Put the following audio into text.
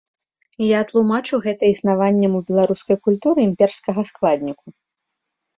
Я тлумачу гэта існаваннем у беларускай культуры імперскага складніку.